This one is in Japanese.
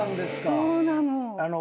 そうなの。